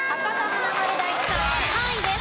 華丸・大吉さんは３位です。